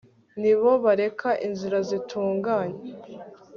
Ni bo bareka inzira zitunganye